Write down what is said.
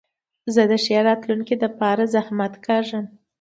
زه د ښې راتلونکي له پاره زحمت کاږم.